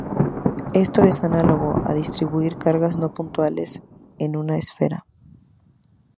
Esto es análogo a distribuir cargas no puntuales en una esfera.